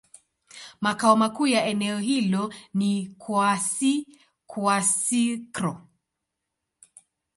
Makao makuu ya eneo hilo ni Kouassi-Kouassikro.